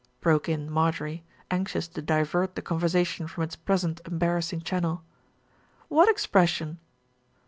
broke in Marjorie, anxious to divert the conversation from its present embarrassing channel. "What expression?"